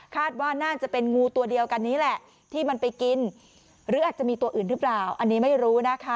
ว่าน่าจะเป็นงูตัวเดียวกันนี้แหละที่มันไปกินหรืออาจจะมีตัวอื่นหรือเปล่าอันนี้ไม่รู้นะคะ